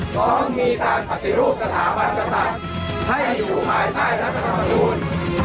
พร้อมมีการปฏิรูปสถาบันกษัตริย์ให้อยู่ภายใต้รัฐธรรมนูล